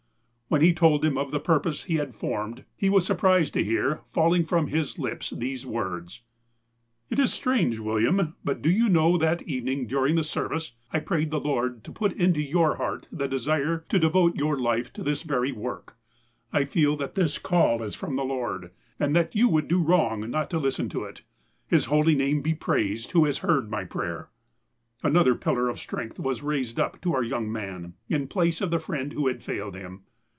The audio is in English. When he told him of the purpose he had formed he was surprised to hear, falling from his lips, these words :" It is strange, William, but do you know that evening, during the service, I prayed the Lord to put into your heart the desire to devote your life to this very work. I feel that this call is from the Lord, and that you would do wrong not to listen to it. His holy name be praised who has heard my prayer !" Another pillar of strength was raised up to our young man, in place of the friend who had failed him.